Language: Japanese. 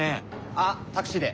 あっタクシーで。